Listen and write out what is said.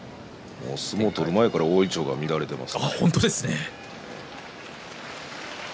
もう相撲を取る前から大いちょうが乱れています。